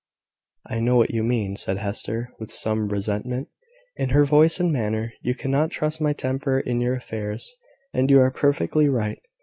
"I know what you mean," said Hester, with some resentment in her voice and manner. "You cannot trust my temper in your affairs: and you are perfectly right.